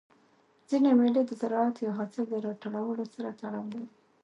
ځيني مېلې د زراعت یا حاصل د راټولولو سره تړاو لري.